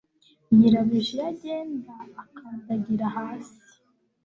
nyirabuja iyo agenda akandagira hasi